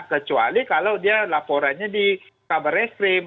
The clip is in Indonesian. kecuali kalau dia laporannya di kabar es krim